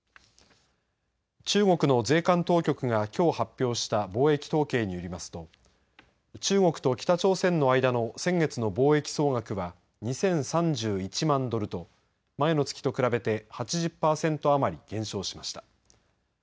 中国の税関当局がきょう発表した貿易統計によりますと中国と北朝鮮の間の先月の貿易総額は２０３１万ドルと前の月と比べて８０％余り減少しました。